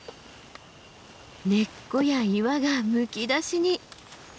根っこや岩がむき出しに。